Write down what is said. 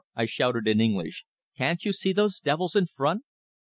I shouted, in English. "Can't you see those devils in front?"